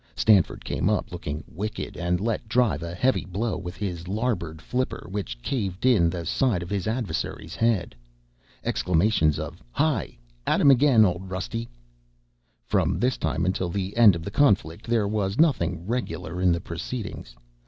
Stanford came up looking wicked, and let drive a heavy blow with his larboard flipper which caved in the side of his adversary's head. (Exclamations of "Hi! at him again Old Rusty!") From this time until the end of the conflict, there was nothing regular in the proceedings.